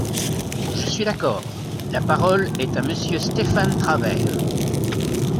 Je suis d’accord ! La parole est à Monsieur Stéphane Travert.